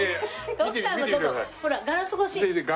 徳さんもちょっとほらガラス越し。